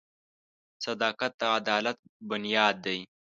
• صداقت د عدالت بنیاد دی.